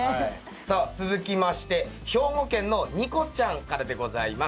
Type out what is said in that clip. さあ続きまして兵庫県のにこちゃんからでございます。